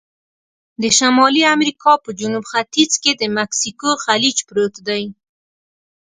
د شمالي امریکا په جنوب ختیځ کې د مکسیکو خلیج پروت دی.